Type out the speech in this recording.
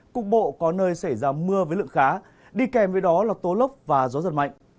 cục bộ có nơi xảy ra mưa với lượng khá đi kèm với đó là tố lốc và gió giật mạnh